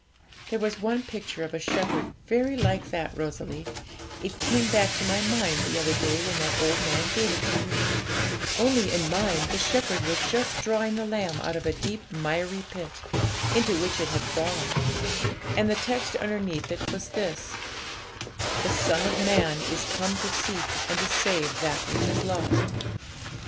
There was one picture of a shepherd very like that, Rosalie; it came back to my mind the other day, when that old man gave it to you, only in mine the shepherd was just drawing the lamb out of a deep miry pit, into which it had fallen, and the text underneath it was this: "The Son of Man is come to seek and to save that which is lost."